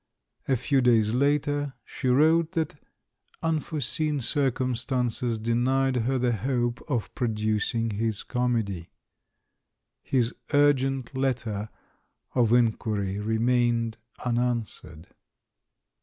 A few days later she wrote that unforeseen circumstances denied her the hope of producing his comedy. His urgent letter of in quiry remained unanswered.